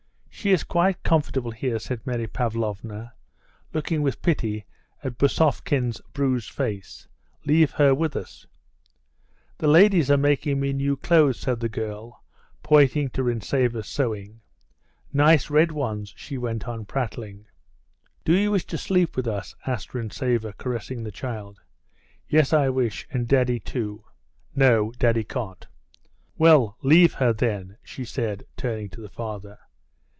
"She is quite comfortable here," said Mary Pavlovna, looking with pity at Bousovkin's bruised face. "Leave her with us." "The ladies are making me new clothes," said the girl, pointing to Rintzeva's sewing "nice red ones," she went on, prattling. "Do you wish to sleep with us?" asked Rintzeva, caressing the child. "Yes, I wish. And daddy, too." "No, daddy can't. Well, leave her then," she said, turning to the father.